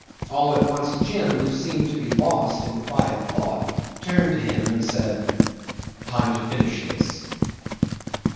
All at once Jim, who seemed to be lost in quiet thought, turned to him and said, "Time to finish this."